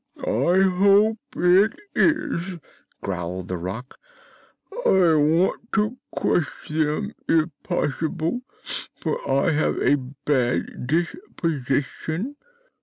"I hope it is," growled the Rak. "I want to crush them, if possible, for I have a bad disposition.